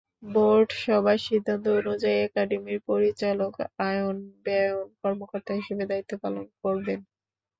Board সভার সিদ্ধান্ত অনুযায়ী একাডেমীর পরিচালক আয়ন-ব্যয়ন কর্মকর্তা হিসেবে দায়িত্ব পালন করবেন।